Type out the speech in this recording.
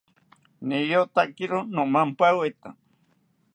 Niyotakiro nomampaweta